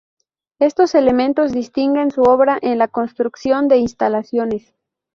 Estos elementos distinguen su obra en la construcción de instalaciones.